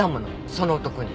その男に。